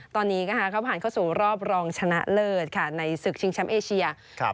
ตอนนี้นะคะเขาผ่านเข้าสู่รอบรองชนะเลิศค่ะในศึกชิงแชมป์เอเชีย